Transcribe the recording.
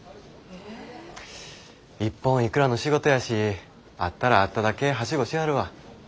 一本いくらの仕事やしあったらあっただけハシゴしはるわ。